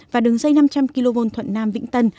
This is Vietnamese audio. và đường dây năm trăm linh kv thuận nam vĩnh tân